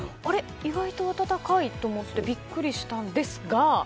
意外と暖かいと思ってビックリしたんですが。